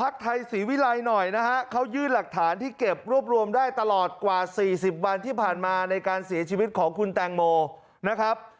พักไทยศรีวิรัยหน่อยนะฮะเขายื่นหลักฐานที่เก็บรวบรวมได้ตลอดกว่า๔๐วันที่ผ่านมาในการเสียชีวิตของคุณแตงโมนะครับ